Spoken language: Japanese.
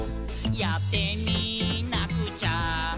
「やってみなくちゃ」